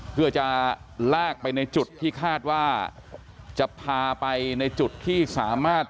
เพื่อจะลากไปในจุดที่คาดว่าจะพาไปในจุดที่สามารถ